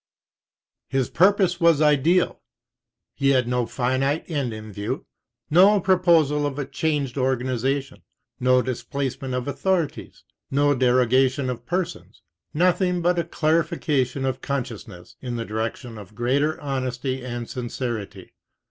His purpose was ideal. He had no finite end in view, no proposal of a changed organization, no displacement of authori ties, no derogation of persons, nothing but a clarification of con sciousness in the direction of greater honesty and sincerity.